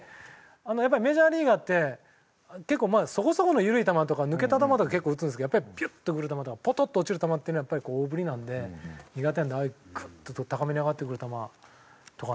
やっぱりメジャーリーガーって結構そこそこの緩い球とか抜けた球とか結構打つんですけどやっぱりビュッと来る球とかポトッと落ちる球っていうのはやっぱり大振りなんで苦手なんでああいうグッて高めに上がってくる球とかね